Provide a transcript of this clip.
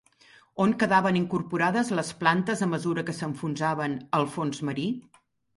On quedaven incorporades les plantes a mesura que s'enfonsaven al fons marí?